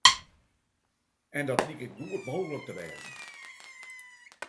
En dat liket goed mooglik te wêzen.